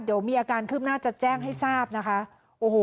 เดี๋ยวมีอาการคืบหน้าจะแจ้งให้ทราบนะคะโอ้โห